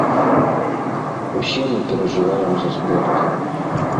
Усе мы перажываем за спорт.